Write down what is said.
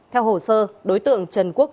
theo hồ sơ đối tượng trần quốc